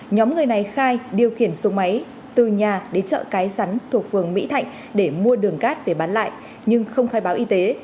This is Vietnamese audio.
nhóm người này khai điều khiển xuống máy từ nhà đến chợ cái rắn thuộc phường mỹ thạnh để mua đường cát về bán lại nhưng không khai báo y tế